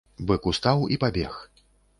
Бык устаў і пабег.